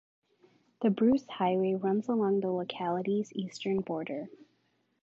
The Bruce Highway runs along the locality's eastern border.